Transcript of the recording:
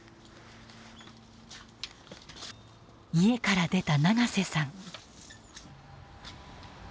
家から出た長瀬さん。